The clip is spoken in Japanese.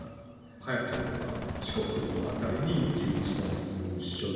早ければ四国の辺りに１１月初旬、